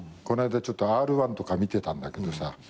こないだちょっとＲ−１とか見てたんだけどさ。